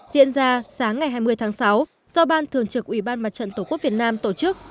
diễn ra sáng ngày hai mươi tháng sáu do ban thường trực ủy ban mặt trận tổ quốc việt nam tổ chức